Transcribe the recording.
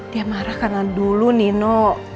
dia marah karena dulu nino